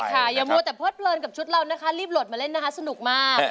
อย่ามัวแต่เพิดเพลินกับชุดเรานะคะรีบโหลดมาเล่นนะคะสนุกมาก